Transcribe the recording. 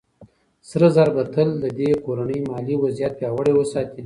سره زر به تل د دې کورنۍ مالي وضعيت پياوړی وساتي.